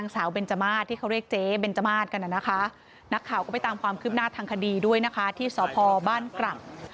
เราก็ไม่ตามความคืบหน้าทางคดีด้วยนะคะที่สหพบ้านกรั่ง